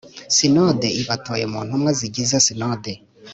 Sinode ibatoye mu ntumwa zigize Sinode